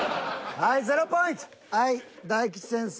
はい大吉先生。